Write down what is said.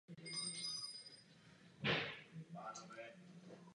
Adéla se po manželově smrti věnovala správě panství a výchově svých dětí.